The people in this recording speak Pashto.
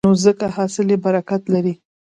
نو ځکه حاصل یې برکت لري.